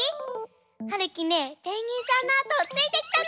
はるきねペンギンさんのあとをついてきたの！